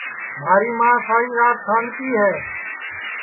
مھاری ماں ساری رات کھانٚگتی ہے